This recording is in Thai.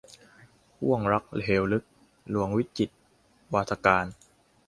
ห้วงรักเหวลึก - หลวงวิจิตรวาทการ